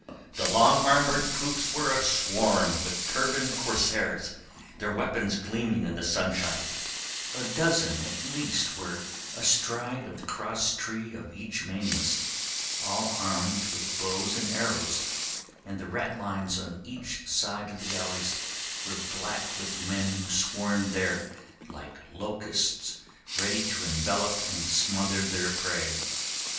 The long armoured poops were a swarm with turbaned corsairs, their weapons gleaming in the sunshine; a dozen at least were astride of the crosstree of each mainmast, all armed with bows and arrows, and the ratlines on each side of the galleys were black with men who swarmed there like locusts ready to envelop and smother their prey.